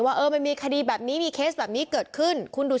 ว่าเออมันมีคดีแบบนี้มีเคสแบบนี้เกิดขึ้นคุณดู